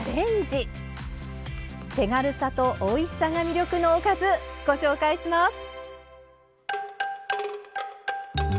手軽さとおいしさが魅力のおかずご紹介します。